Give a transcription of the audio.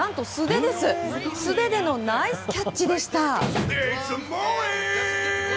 素手でのナイスキャッチでした。